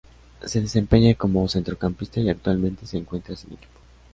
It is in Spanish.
Se desempeña como centrocampista y actualmente se encuentra sin equipo.